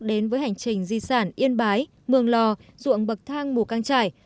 đến với hành trình di sản yên bái mường lò ruộng bậc thang mù căng trải